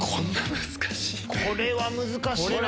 これは難しいな。